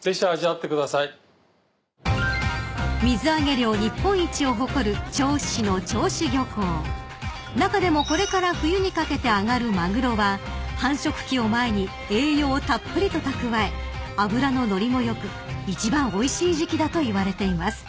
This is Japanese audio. ［水揚げ量日本一を誇る銚子市の銚子漁港］［中でもこれから冬にかけて揚がるマグロは繁殖期を前に栄養をたっぷりと蓄え脂の乗りも良く一番おいしい時季だといわれています］